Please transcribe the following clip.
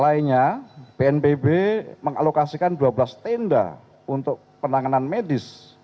lainnya bnpb mengalokasikan dua belas tenda untuk penanganan medis